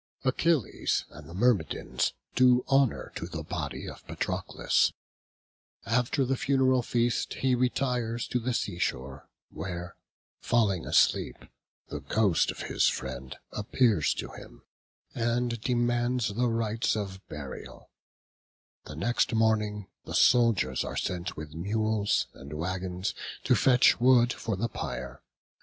Achilles and the Myrmidons do honour to the body of Patroclus. After the funeral feast he retires to the sea shore, where, falling asleep, the ghost of his friend appears to him, and demands the rites of burial: the next morning the soldiers are sent with mules and waggons to fetch wood for the pyre.